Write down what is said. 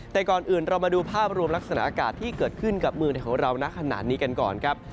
แต่ก่อนอื่นเรามาดูภาพรวมลักษณะอากาศที่เกิดขึ้นกับเมืองไทยของเรานะขนาดนี้กันก่อนครับ